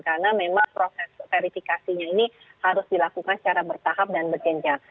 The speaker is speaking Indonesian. karena memang proses verifikasinya ini harus dilakukan secara bertahap dan berjenjang